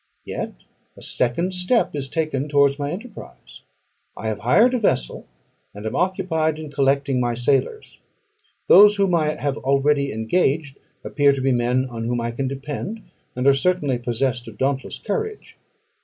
yet a second step is taken towards my enterprise. I have hired a vessel, and am occupied in collecting my sailors; those whom I have already engaged, appear to be men on whom I can depend, and are certainly possessed of dauntless courage.